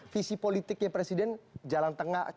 visi politiknya presiden jalan tengah